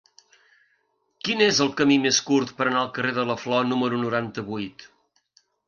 Quin és el camí més curt per anar al carrer de la Flor número noranta-vuit?